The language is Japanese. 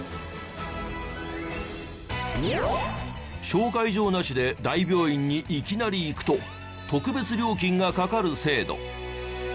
紹介状なしで大病院にいきなり行くと特別料金がかかる制度。